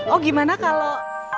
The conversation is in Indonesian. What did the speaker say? oh gimana kalau